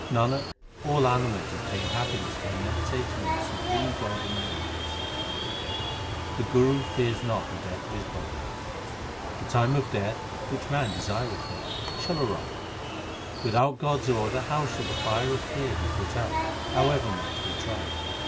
Nanak, all animals obtain happiness By meditating on the supreme God in their hearts. 1 That is, spiritual ignorance. HYMNS OF GURU ARJAN 285 The Guru fears not the death of his body : The time of death, which man desireth not, shall arrive. Without God s order how shall the fire of fear be put out, however much we try